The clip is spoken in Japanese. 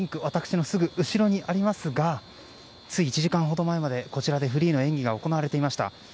私のすぐ後ろにありますがつい１時間ほど前までこちらでフリーの演技が行われていました。